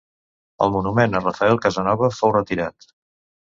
El monument a Rafael Casanova fou retirat.